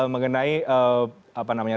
mengenai apa namanya